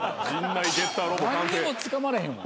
何にもつかまれへんわ。